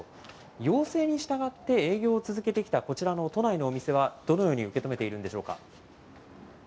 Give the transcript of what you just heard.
要請に従って営業を続けてきた、こちらの都内のお店は、どのように受け止めているんでしょうか。